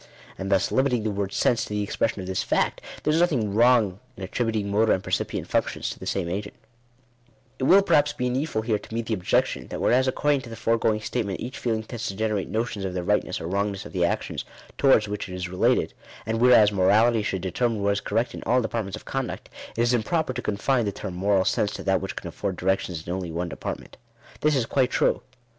And thus, limiting the word sense to the ex pression of this fact, there is nothing wrong in attributing motor and percipient functions to the same agent It will perhaps be needful here to meet the objection, that whereas according to the foregoing statement each feeling tends to generate notions of the rightness or wrongness of the actions towards which it is related ; and whereas morality should de termine what is correct in ail departments of conduct, it is im proper to confine the term "moral sense" to that which can afford directions in only one department. This is quite true.